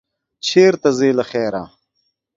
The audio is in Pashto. چېرته ځې، له خیره؟